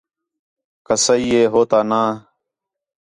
کسائی ہے ہو تا ناں